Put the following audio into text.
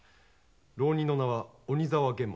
浪人の名は鬼沢玄馬。